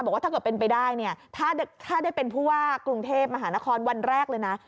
บอกว่าถ้าเกิดเป็นไปได้เนี่ยถ้าได้เป็นผู้ว่ากรุงเทพมหานครวันแรกเลยนะ